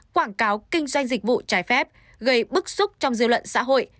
quảng cáo kinh doanh dịch vụ trái phép gây bức xúc trong dư luận xã hội